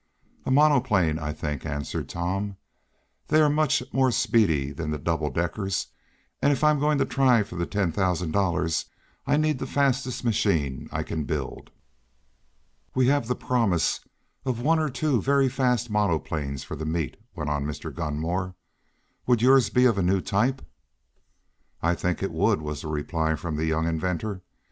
"A monoplane, I think," answered Tom. "They are much more speedy than the double deckers, and if I'm going to try for the ten thousand dollars I need the fastest machine I can build." "We have the promise of one or two very fast monoplanes for the meet," went on Mr. Gunmore. "Would yours be of a new type?" "I think it would," was the reply of the young inventor.